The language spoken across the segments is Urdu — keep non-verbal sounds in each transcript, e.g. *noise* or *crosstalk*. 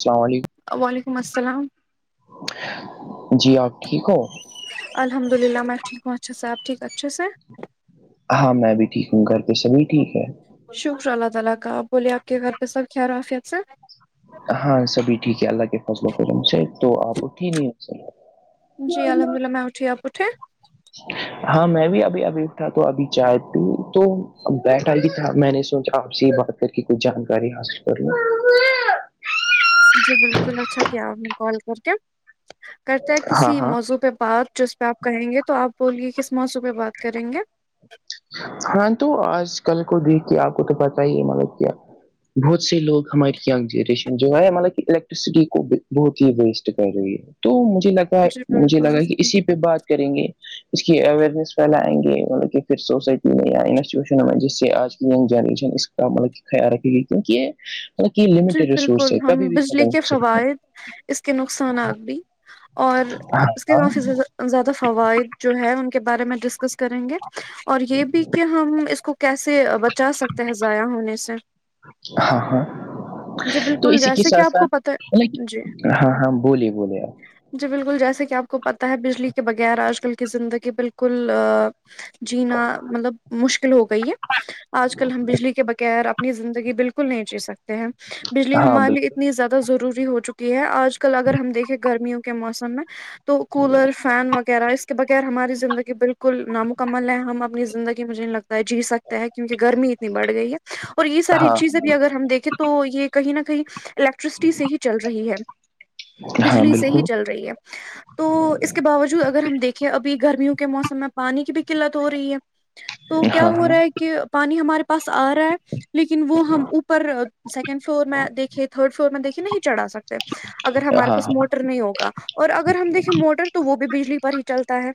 السلام علیکم وعلیکم السلام جی آپ ٹھیک ہو الحمد للہ میں ٹھیک پہنچا صاحب ٹھیک اچھے سے ہاں میں بھی ٹھیک ہوں گھر پہ سبھی ٹھیک ہے شکر اللہ تعالی کا بولے اپ کے گھر پہ سب خیر عافیت سن ہاں سبھی ٹھیک ہے اللہ کے فضل ولم سے تو آپ اٹھی نیند سے جی الحمد اللہ میں اٹھی اپ اٹھے ہاں میں بھی ابھی ابھی تھا تو ابھی جائے تھی تو بیٹھا بھی تھا میں نے سوچا آپ سے ہی بات کر کے کچھ جانکاری حاصل کر لوں جی بالکل اچھا کیا آپ نے کال کر کے کرتا ہے ہاں کسی ہاں موضوع پہ بات جس پہ آپ کہیں گے تو آپ بولیے کس موضوع پہ بات کریں گے ہاں تو آج کل کو دیکھ کے آپ کو تو پتاہ ہی ہے ملب کیا بہت سے لوگ ہماری گ جنریشن جو ہے مطلب کہ الیکٹرسٹی کو بہت ہی ویسٹ کر رہی ہے تو مجھے لگتا جی مجھے بالکل لگا کہ اسی پہ بات کریں گے اس کی اوئرنیس پھیلائیں گے مطلب کہ پھر سوسائٹی میں یا انسٹیٹیوشنوں میں جس سے آج کی ینگ جنریشن اس کا ملک خیال رکھے گی کیونکہ یہ مطل کہ یہ جی لمیٹیڈ ریسورس ہے بالکل کبھی ہم بھی ختم بجلی کے ہو سکتے ہیں فوائد اس کے نقصانات بھی اور ہاں اس کے کافی ہاں زیادہ زیادہ فوائد جو ہے ان کے بارے میں ڈسکس کریں گے اور یہ بھی کہ ہم اس کو کیسے بچا سکتے ہیں ضائع ہونے سے ہاں ہاں جی تو بالکل اسی کے جیسے کہ ساتھ آپ کو پتہ ساتھط جی ہاں ہاں بولیے بولے آپ جی بالکل جیسے کہ آپ کو پتہ ہے بجلی کے بغیر آج کل کی زندگی بالکل جینا مطلب مشکل ہو گئی ہے آج کل ہم بجلی کے بغیر زندگی بالکل نہیں جی سکتے ہیں بجلی ہاں ہمارے لیے بالکل اتنی زیادہ ضروری ہو چکی ہے آج آج کل اگر ہم دیکھے گرمیوں کے موسم میں تو کولر فین وغیرہ اس بغیر ہماری زندگی بالکل نامکمل ہے ہم اپنی زندگی مجھے نہیں لگتا ہے جی سک تو ہیک کیونکہ گمیتنی بڑ گیت اور یہ ساری ہاں چیزیں بھی اگر ہم دیکھیں تو یہ کہیں نہ کہیں الیکٹرسٹی سے ہی چل رہی ہے ہاں بجلی سے ہی بالکل چل رہی ہے تو اس کے باوجود اگر ہم دیکھیں ابھی گرمیوں کے موسم میں پانی کی بھی قلت ہو رہی ہے تو کیا ہاں ہو رہا ہاں ہے کہ پانی ہمارے پاس آ رہا ہے لیکن وہ ہم اوپر سیکنڈ فلور میں دیکھے تھرڈ فلور میں دیکھے نہیں چڑھا سکتے اگر ہمارے ہاں پاس ہاں موٹر نہیں ہوگا اور اگر ہم دیکے موٹر تو وہ بھی بجلی پر ہی چلتا ہے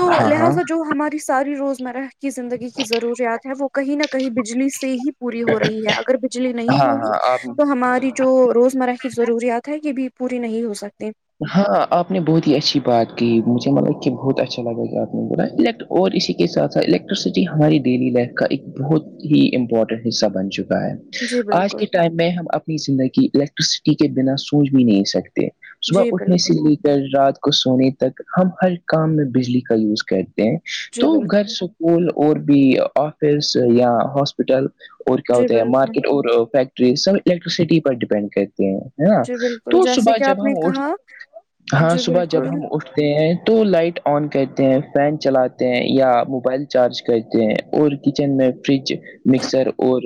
تو ہاں ہاں لہٰذا جو ہماری ساری روزمرہ کی زندگی کی ضروریات ہے وہ کہیں نہ کہیں بجلی سے ہی پوری ہو رہی ہے اگر بجلی نہیں ہاں ہوگی ہاں آپ تو ہماری جو روزمرہ کی ضروریات ہے یہ بھی پوری نہیں ہو سکتی ہاں آپ نے بہت ہی اچھی بات کی مجھے مطلب کہ بہت اچھا لگا کہ آپ نے بلا اور اسی کے ساتھ ساتھ الیکٹرسٹی ہماری ڈیلی لائف کا ایک بہت ہی امپورٹنٹ حصہ بن چکا ہے جی آج بالکل کے ٹائم میں ہم اپنی زندگی الیکٹرسٹی کے بنا سوچ بھی نہیں سکتے صبح جی اٹھنے بالکل سے لے کر رات کو سونے تک ہم ہر کام میں بجلی کا یوز کرتے ہیں جی تو گھر بالکل سکول اور بھی آفس یا ہاسپ ہسپٹل اور کیا جی ہوتا ہے بالکل مارکیٹ اور فیکٹری سب الیکٹرسٹی پر ڈیپینڈ کرتے ہیں ہے نا جی بالکل تو جیسے صبح کہ آپ جب ہم نے اس کہا ہاں جی صبح جب بالکل ہم اس تو لائٹ آن کرتے ہیں فین چلاتے ہیں یا موبائل چارج کہتے ہیں اور کچن میں فریج مکسر اور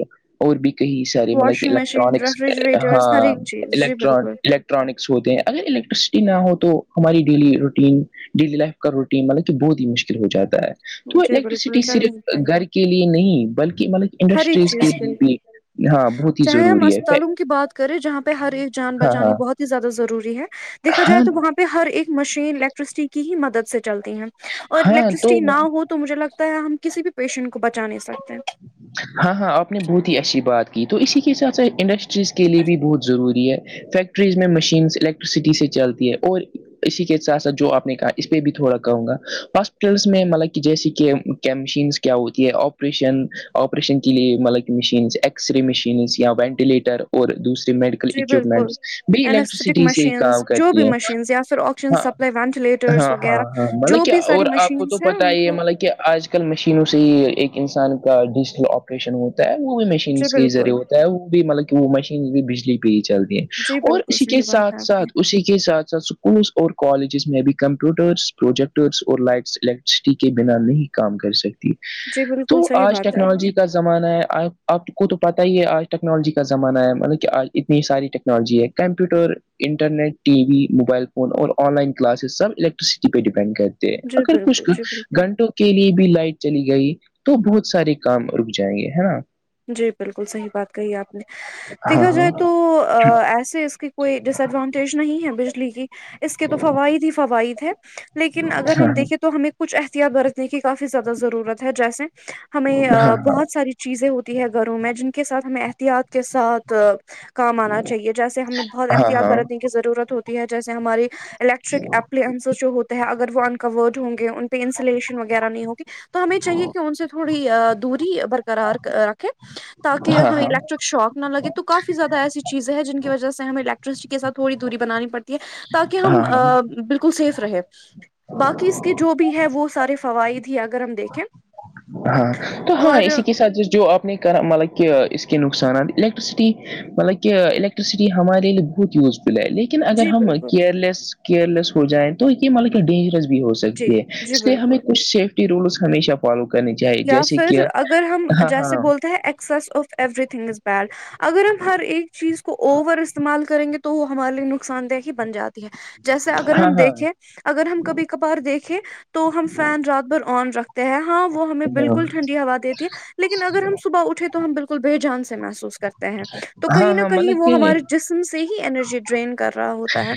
اور بھی کئی سارے مطلب کہ واشنگ مشین الیکٹرانکس ریفریجریٹرس ہر ہاں ایک چیز جی الیکٹران بالکل الٹرانکس ہوتے ہیں اگر الیکٹرسٹی نہ ہو تو ہماری ڈیلی روٹین ڈیلی لائف کا روٹین مطلب کہ بہت ہی مشکل ہو جاتا ہے تو جی بالکل الیکٹریسٹی چل نہیں صرف پائے گا گھر کے لیے نہیں بلکہ مطلب ہر ایک انڈسٹریز کے چیز لیے بھی ہاں بہت ہی ضروری ہے پ کرے جہاں پہ ہر ایک جان بچانی بہت ہی زیادہ ضروری ہے دیکا جائے ہاں تو وہاں پہ ہر ایک مشین الیکٹرسٹی کی ہی مدد سے چلتی ہے اور ہاں الیکٹرسٹی نہ تو ہو تو مجھے لگتا ہے ہم کسی بھی پیشنٹ کو بچا نہیں سکتے ہیں ہاں ہاں آپ نے بہت ہی اچھی بات کی تو اسی کے ساتھ ساتھ انڈسٹریز کے لیے بھی بہت ضروری ہے فیکٹریز میں مشینس الیکٹرسٹی سے چلتی ہے اور اسی کے ساتھ ساتھ جو آپ نے کہا اس پہ بھی تھوڑا کہوں گا ہاسپٹلس میں مطلب کہ جیسے کہ کی مشینس کیا ہوتی ہے آپریشن آپریشن کے لیے مطلب مشینس ایکس رے مشینس یا وینٹیلیٹر اور دوسریے میڈیکل جی بالکل اکوپمنٹس بھی اینستھیٹک الیکٹریسٹی سے ہی مشینس کام جو بھی کرتی ہیں مشینس یا پھر آکسیجن ہاں سپلائی وینٹیلیٹرس ہاں ہاں وغیرہ ہاں جو مطلب کہ بھی ساری اور آپ کو تو مشینس ہیں پتا ان ہی ہے کو مطلب کہ آج کل آج کل مشینوں سے ہی ایک انسان کا ڈیجیٹل آپریشن ہوتا ہے وہ بھی جی مشینس کے ہی ذریعے بالکل ہوتا ہے وہ بھی مطلب کہ وہ مشین بھی بجلی پہ ہی چلتی ہے جی اور بالکل اسی کے صحیح بات ہے ساتھ آپ کی ساتھ اسی کے ساتھ ساتھ س اسکولس اور کالجز میں ابھی کمپیوٹرس پروجیکٹرس اور لائٹس الیکٹرسٹی کے بنا نہیں کام کر سکتے جی تو بالکل صحیح آج بات ہے آپ کی ٹیکنالوجی کا زمانہ ہے آپ کو تو پتا ہی ہے آج ٹیکنالوجی کا زمانہ ہے مطلب کہ آج اتنی ساری ٹیکن ٹیکنالجی ہے computer internet T V mobile phone اور آن لائن کلاسز سب الیکٹریسٹی پہ ڈیپینڈ کرتے ہیں جی اگر بالکل کچھ جی بالکل گھنٹوں کے لیے بھی لائٹ چلی گئی تو بہت سارے کام رک جائیں گے ہے نا جی بالکل صحیح بات کہی آپ نے دیکھا جائے ہاں تو ایسے اس کی کوئی ڈس ایڈوانٹیج نہیں ہے بجلی کی اس کے تو فوائد ہی فوائد ہے لیکن اگر ہم ہاں دیکھے تو ہمیں کچھ احتیاط برتنے کی کافی زیادہ ضرورت ہے جیسے ہمیں ہاں ہاں بہت ساری چیزیں ہوتی ہے گھروں میں جن کے ساتھ ہمیں احتیاط کے ساتھ کام آنا چاہیے جیسے ہمیں بہت ہاں ہاں احتیاط ہاں برتنے کی ضرورت ہوتی ہے جیسے ہماری الیکٹرک اپلنسز جو ہوتے ہیں اگر وہ انکورڈ ہوں گے ان پہ انسلیشن وغیرہ نہیں ہوگی تو ہمیں چاہیے کہ ان سے تھوڑی دوری برقرار رکھے تاکہ ہاں ہاں ہمیں الیکٹرک شوق نہ لگے تو کافی زیادہ ایسی چیزیں ہیں جن کی وجہ سے ہمیں الیکٹرسٹی کےات تھوی دوری بنانی پڑتی ہے تاکہ ہم ہاں ہاں بالکل سیف رہے باقی اس کے جو بھی ہے وہ سارے فوائد ہی اگر ہم دیکھیں ہاں تو ہاں اور اسی کے ساتھ جو آپ نے کرا مطلب کہ اس کے نقصانات الیکٹرسٹی مطلب کہ الیکٹرسٹی ہمارے لیے یوزفل ہے لیکن اگر جی ہم بالکل کیئرلیس کیئرلیس ہو جائیں تو ملک ڈینجرس بھی ہو جی سکتی ہے جی اس لیے بالکل ہمیں کچھ سیفٹی رولس ہمیشہ فالو کر یا پھر اگر ہم جیسے بولتے ہیں excess of everything is bad اگر ہم ہر ایک چیز کو اوور استعمال کریں گے تو تو وہ ہمارے لیے نقصان دہ ہی بن جاتی ہے جیسے اگر ہاں ہاں ہم ہاں دیکھیں اگر ہم کبھی کبھار دیکھیں تو ہم فین رات بھر آن رکھ ہاں وہ ہمیں ہاں بالکل ٹنڈی ہوا دیتی ہے لیکن اگر ہم صبح اٹھے تو ہم بالکل بے جان سے محسوس کرتے ہیں تو کہیں ہاں نہ ہاں کہیں مطلب وہ کہ ہمارے جسم سے ہی انینرجی ڈرین کر رہا ہوتا ہے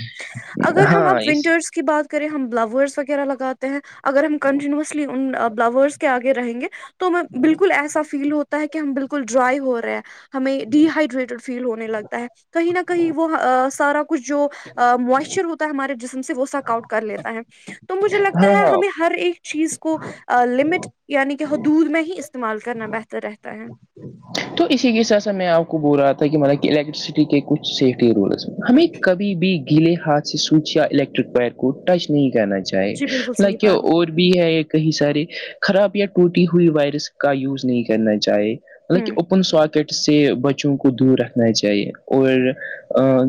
اگر ہم ہاں آپ اس ونٹرس کو کی بات کریں ہم بلاورس وغیرہ لگاتے ہیں اگر ہم کنٹینوسلی ان بلاورس آگے رہیں گے تو ہم بالکل ایسا فیل ہوتا ہے کہ ہم بالکل ڈرائی ہو رہے ہیں ہمیں ڈی ہائڈریٹیڈ فیل ہونے لگتا ہے کہیں نہ کہیں وہ سارا کچھ جو موائسچر ہوتا ہے ہمارے جسم سے وہ سک آؤٹ کر لیتا ہے تو مجھے لگتا ہاں ہے ہاں ہمیں ہر ایک چیز کو لمٹ کے حدود میں ہی استعمال کرنا بہتر رہتا ہے تو اسی کے ساتھ سے میں آپ کو بول رہا تھا کہ مطلب کہ الیکٹریسٹی کے کچھ سفٹی رولز ہیں ہمیں کبھی بھی گیلے ہاتھ سے سوچیا الیکٹرک وائر کو ٹچ نہیں کرنا چاہیے جی بالکل صحیح لائک بات اور بھی ہے کہیں سارے خراب یا ٹوٹی ہوئی وائرس کا یوز نہیں کرنا چاہے مطلب کہ ہوں اوپن ساکٹ سے بچوں کو دور رکھنا چاہیے اور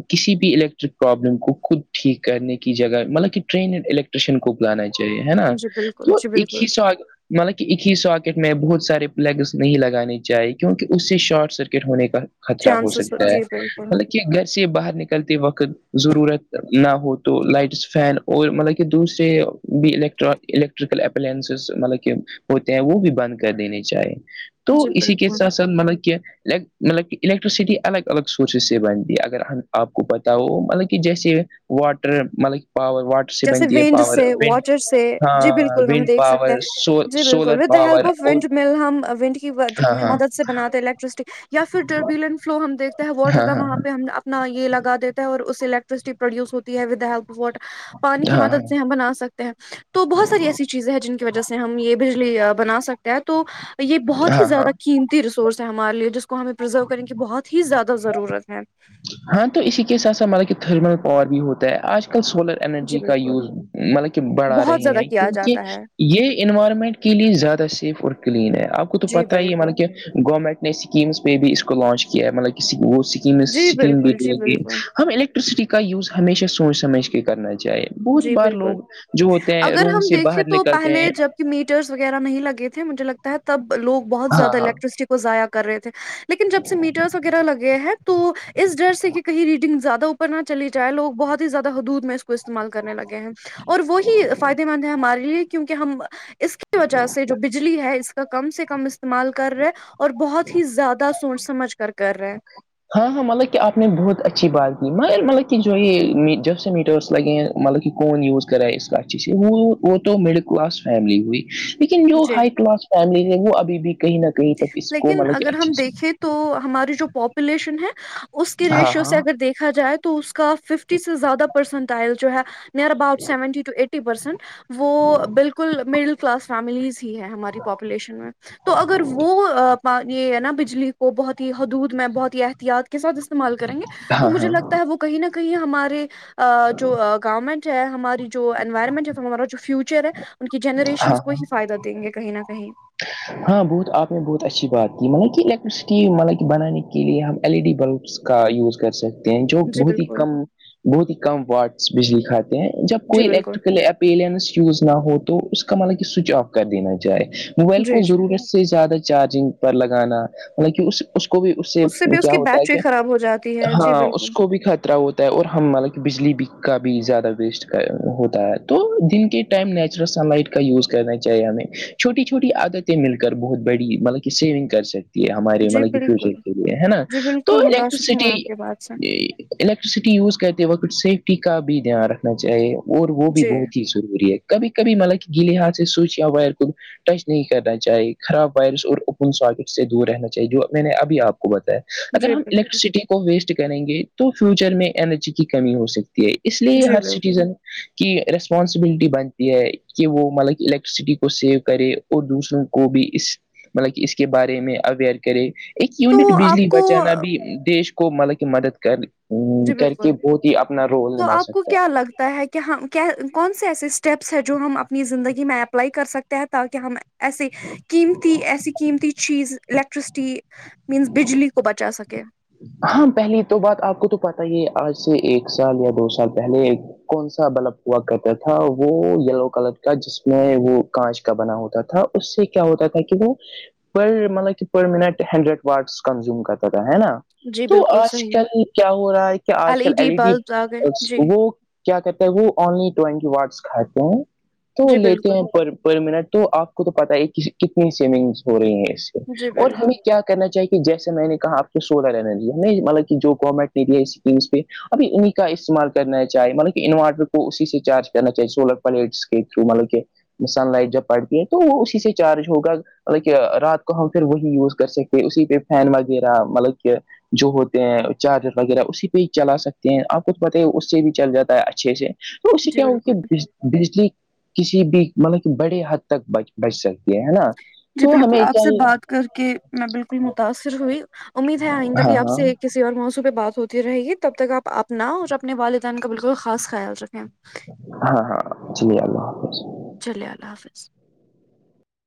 کسی بھی الیکٹرک پرابلم کو خود ٹھیک کرنے کی جگہ مطلب کہ ٹرینین الیکٹ کو بلانا چاہے نا جی بالکل تو جی ایک ہی بالکل مطلب کہ ایک ہی ساکٹ میں بہت سارے پلگس نہیں لگانے چاہ کیونکہ اس سے شارٹ سرکٹ ہونے کا خطرہ ہو چانسز سکتا ہے جی بالکل مطلب کہ سے باہر نکلتے وقت ضرورت نہ ہو تو لائٹس فین اور مطلب کہ دوسرے بھی الیکٹر الیکٹریکل اپلائنسز مطلب کہ ہوتے ہیں وہ بھی بند کر دینی چاہی تو جی اسی کے بالکل ساتھ ساتھ ملب کیا مطلب کہ الیکٹرسٹی الگ الگ سورسز سے بنتی ہے اگر ہم آپ کو پتاہ ہو مطلب کہ جیسے واٹر مطلب پاور واٹر سے جیسے بنتی ہے وینڈ پاور سے ونڈ واٹر سے جی ہاں بالکل ہم ونڈ دیک سکتے پاور ہیں جی سولر بالکل with the help power of اور ونٹ مل ہم ونٹ کی ہاں مد سے باتے ہیں الیکٹرسٹی یا پھر ربیلن فلو ہم دیکتے ہے واٹر ہاں ہاں کا وہاں پہ ہاں ہم نہ یہ لگا دیتا ہے اور اس سے الیکٹرسٹی پروڈیوس ہوتی ہے وا ہیلپ وٹ پانی کی ہاں مدد ہاں سے ہم بنا سکتے تو بہت ساری ایسی چیزیں ہیں جن کی وجہ سے ہم یہ بجلی بنا سکتے ہیں تو یہ ہاں بہت ہی ہاں زیادہ قیمتی ریسورس ہے ہمارے لیے جس کو ہمیں پرزرو کرنے کی بہت ہی زیادہ ضرورت ہے ہاں تو اسی کے ساتھ س ہمارا کہ تھرمل پاور بھی ہوتا ہے آج کل سولر جی انرجی کا بالکل یوز مطلب کہ بڑھا بہت رہے زیادہ ہیں کیا جاتا کیونکہ ہے یہ انوائرمنٹ کے لیے زیادہ سیف اور کلین ہے آپ کو تو جی پتاہ ہی ہے بالکل مان کے گورنمنٹ نے اسکیمس پہ بھی اس کو لانچ کیا ہے مطلب وہک جی سکیم بھی بالکل جی دی گ بالکل ہم الیکٹرسٹی کا یوز ہمیشہ سوچ سمجھ کے کرنا چاہیے بہت جی بار بالکل لوگ جو ہوتے ہیں اگر روم ہم سے دیکھیں باہر تو نکلتے پہلے ہیں جب میٹرس وغیرہ نہیں لگے تھے مجھ لگتا ہے تبوگ بہت ہاں زیادہ ہاں الیکٹرسٹی *unintelligible* ضائع کر رہے تھے لیکن جب سے میٹرس وغیرہ لگے ہیں تو اس ڈر سے کہ کہیں ریڈنگ زیادہ اوپر نہ چلی جائے لوگ بہت ہی زیادہ حدود میں اس کو استعمال کرنے لگے ہیں اور وہی فائدے مند ہے ہمارے لیے کیونکہ ہم اس کی وجہ سے جو بجلی ہے اس کا کم سے کم استعمال کر رہے اور بہت ہی زیادہ سوچ سمجھ کر کر رہا ہے ہاں ہاں مطلب کہ آپ نے بہت اچھی بات کی مگر مطلب کہ جو یہ جب سے میٹرس لگے ہیں مطلب کہ کون یوز کرا ہے اس کا چیز سے وہ وہ تو مڈل کلاس فیملی ہوئی لیکن جو جی ہائی کلاس فیملی ہے وہ ابھی بھی کہیں نہ کہیں تک اس کو لیکن مطلب کہ اگر اچھی ہم دیکھیں تو ہماری جو پاپولیشن ہے اس کے ہاں ریشیو سے ہاں اگر دیکھا جائے تو تو اس کا ففٹی سے زیادہ پرسینٹ آئل جو ہے near about seventy to eighty percent وہ بالکل مڈل کلاس فیملیز ہی ہے ہماری پاپولیشن میں تو اگر وہ پ یہ ہے نا بجلی کو بہت ہی حدود میں بہت ہی احتیاط کے سھ استعمال کریں گے تو ہاں مجھے ہاں لگتا ہے وہ کہیں نہ کہیں ہمارے جو گاؤ ہے *unintelligible* ہے ہماری جو انوائرمنٹ ہے ہمارا جو فیوچر ہے ان کی جنریشن ہاں کو ہی فائدہ دیں گے کہیں نہ کہیں ہاں بہت آپ نے بہت اچھی بات کی مطلب کہ الیکٹرسٹی مطلب کہ بنانے کے لیے ہم ایل ای ڈی بلبس کا یوز کر سک ہیں جو جی بہت ہی بالکل کم بہت ہی کم وورڈس بجلی کھاتے ہیں جب جی کوئی بالکل الیکٹریکل ای پلینس یوز نہ ہو تو اس کا مطلب کہ سوئچ آف کر دینا جائے موبائل جی کو جی ضرورت سے زیادہ چارجنگ پر لگانا مطلب کہ اس اس کو بھی اس سے بھی اس کیا کی ہوتا ہے بیٹری کہ خراب ہو جاتی ہے جی ہاں اس بالکل کو بھی خطرہ ہوتا اور ہم مطلا کہ بجلی بھی کا بھی زیادہ ویسٹ ہوتا ہے تو دن کے *unintelligible* ٹم نیچرل سن لائٹ کا یوز کرنا چاہے ہمیں چھٹی چھوٹی چھوٹی عادتیں مل کر بہت بڑی مطلب کہ سیونگ کر سک ہمارے جی مطلب بالکل فیوچر کے لیے ہے نا جی تو بالکل متاثر ہوں میں الیکٹرسٹی آپ کے بات سے یہ الیکٹرسٹی یوز کرتے وقت سیفٹی کا بھی دھیان رکھنا چاہیے اور وہ بھی جی بہت ہی ضوری ہے کبھی کبھی مط گیے ہاتھ سے سوئچ یا ور کو *unintelligible* ٹچ نہیں کرنا چاہیے خراب وائرس اور اوپن ساکٹ سے دور رہنا چاہیے جو میں نے ابھی آپ کو بتایا اگر جی ہم بالکل الیکٹرسٹی کو ویسٹ کریں گے تو فیوچر میں اینرجی کی کمی ہو سکتی ہے اس لیے جی ہر بالکل سٹیزن کہ رسپانسبلٹی بنتی ہے کہ وہ مطلب کہ الیکٹریسٹی کو سیو کرے اور دوسروں کو بھی اس مطلب کہ اس کے بارے میں اوئر کرے ایک تو یونٹ آپ بجلی کو بچانا بھی دیش کو مطلب کہ مدد کر لی ا جی کر بالکل کے بہت ہی اپنا رول تو نبھا آپ کو سکتا ہے کیا *unintelligible* لگتا ہے کہ ہم کون سے ایسے اسٹیپس ہیں جو ہم اپنی زندگی میں اپلائی کر سکتے ہیں تاکہ ہم ایسے قیمتی ایسی قیمتی چیز الیکٹرسٹی مینس بجلی کو بچا سکے ہاں پہلی تو بات آپ کو تو پتا ہی آج سے ایک سال یا دو سال پہلے کون سا بلب ہوا کہتا تھا وہ یلو کلر کا جس میں وہ کانچ کا بنا ہوتا تھا اس سے کیا ہوتا تھا کہ وہ پر مطلب کہ per minute hundred parts consume کرتا تھا ہےا *unintelligible* جی تو بالکل آج صحیح ہے کل کیا ہو رہا ہے کہ آج کل ایل ای ڈی بلبس آ گئے جی وہ کیا کہتے ہیں وہ اونلی ٹوینٹی وڈس کھاتے ہیں تو جی لیتے بالکل ہیں پر پر منٹ تو آپ تو پتا ہے کتنی سیونگس ہو رہی ہیں اس سے جی اور بالکل ہمیں کیا کرنا چاہے کہ جیسے میں نے کہا آپ کو سولر انرجی ہم مطلب کہ جو گورنمنٹ نے دیا اسکیمس پہ ابھی انہیں کا استعمال کرنا چاہیے مطلب کہ انورٹر کو اسی سے چارج کرنا چاہے سولر پلیٹس کے تھرو مطلب کہ سن لائٹ جب پڑتی ہے تو وہ اسی سے چارج ہوگا مطلب کہ رات کو ہم پھر وہی یوز کر سکتے اسی پہ فین وغیرہ مطلب کہ جو ہوتے ہیں چارجر وغیرہ اسی پہ ہی چلا سکتے ہیں آپ کچھ پتہ ہے اس سے بھی چل جاتا ہے اچھے سے تو اس جی کیا ہو بالکل کہ بجلی کسی بھی مطلب کہ بڑے حد تک بچ سکتی ہے ہے نا جی تو بالکل، ہمیں آپ سے چاہیے بات کر کے میں بالکل متاثر ہوئی امید ہے آئندہ ہاں بھی آپ ہاں سے کسی اور موضوع پہ بات ہوتی رہے گی تب تک آپ اپنا اور اپنے والدین کا بالکل خاص خیال رکھیں ہاں ہاں چلیے اللہ حافظ *unintelligible* چلیے اللہ حافظ